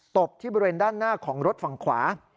บที่บริเวณด้านหน้าของรถฝั่งขวา